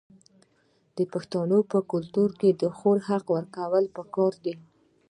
د پښتنو په کلتور کې د خور حق ورکول پکار دي.